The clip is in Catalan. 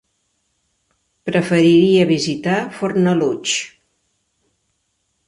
Preferiria visitar Fornalutx.